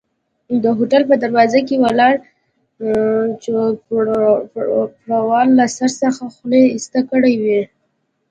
د هوټل په دروازه کې ولاړ چوپړوال له سر څخه خولۍ ایسته کړي وای.